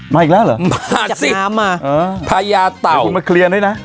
มาอีกแล้วเหรอมาสิจับน้ำอ่ะเออพญาเต่าให้คุณมาเคลียร์ด้วยนะ